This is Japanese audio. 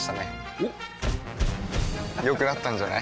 おっ良くなったんじゃない？